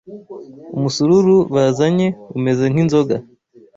umusururu bazanye umeze nk’inzoga